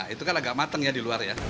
itu kan agak matang di luar